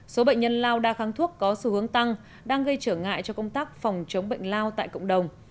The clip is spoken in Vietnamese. số bệnh nhân lao đa kháng thuốc có xu hướng tăng đang gây trở ngại cho công tác phòng chống bệnh lao tại cộng đồng